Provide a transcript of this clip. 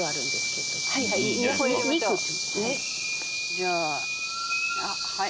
じゃああっはい。